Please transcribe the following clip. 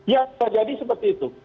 ya bisa jadi seperti itu